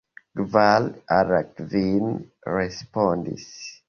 Kvar el la kvin respondis.